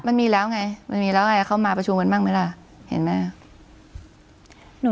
มันมีแล้วไงมันมีแล้วไงเข้ามาประชุมกันบ้างไหมล่ะเห็นไหม